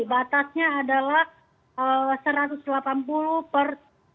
batasnya adalah satu ratus delapan puluh per satu ratus sepuluh